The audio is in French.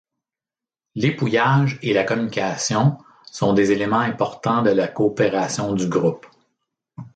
L'épouillage et la communication sont des éléments importants de la coopération du groupe.